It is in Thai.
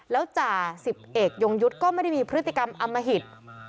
แล้วจ่าสิบเอกยงยุทธ์ก็ไม่ได้มีพฤติกรรมอมหิต